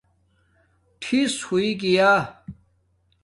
ٹِھس ہݸئِئ گیا